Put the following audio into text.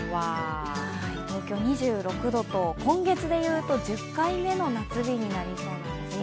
東京は２６度と、今月で言うと１０回目の夏日になりそうなんですね。